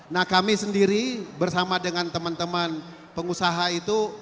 nah kami sendiri bersama dengan teman teman pengusaha itu